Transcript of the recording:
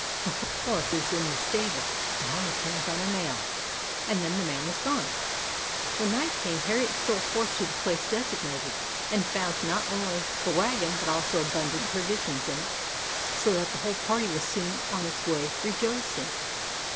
The horse is in the stable; the harness hangs on a nail;" and then the man was gone. When night came Harriet stole forth to the place designated, and found not only the wagon but also abundant provisions in it, so that the whole party was soon on its way rejoicing.